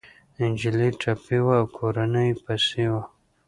انجلۍ ټپي وه او کورنۍ يې پسې وه